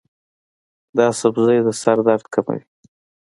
دا سبزی د سر درد کموي.